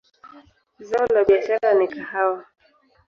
Zao la biashara ni kahawa.